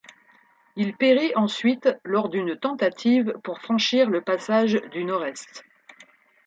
Il périt ensuite lors d'une tentative pour franchir le passage du Nord-Est.